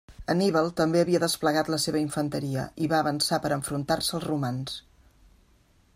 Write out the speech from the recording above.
Anníbal també havia desplegat la seva infanteria i va avançar per enfrontar-se als romans.